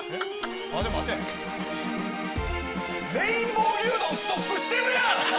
レインボー牛丼ストックしてるやん！